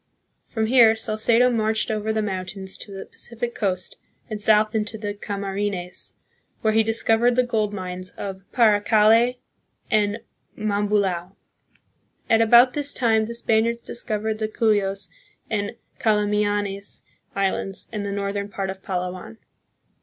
1 From here Salcedo marched over the mountains to the Pacific coast and south into the Cam arines, where he discovered the gold mines of Paracale and Mambulao. At about this time the Spaniards discovered the Cuyos and Calamianes islands and the northern part of Palawan.